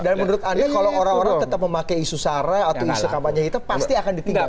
dan menurut anda kalau orang orang tetap memakai isu sarah atau isu kampanye itu pasti akan ditinggalin